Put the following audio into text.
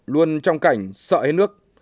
luôn trong cảnh sợi nước